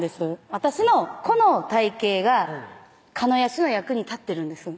私のこの体型が鹿屋市の役に立ってるんです